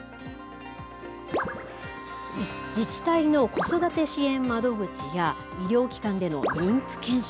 自治体の子育て支援窓口や、医療機関での妊婦検診。